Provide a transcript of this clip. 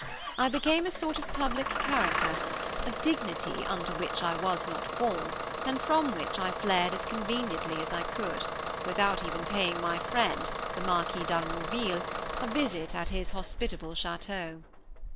I became a sort of public character, a dignity, "Unto which I was not born," and from which I fled as soon as I conveniently could, without even paying my friend, the Marquis d'Harmonville, a visit at his hospitable chateau.